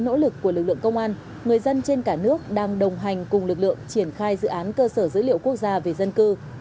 nỗ lực của lực lượng công an người dân trên cả nước đang đồng hành cùng lực lượng triển khai dự án cơ sở dữ liệu quốc gia về dân cư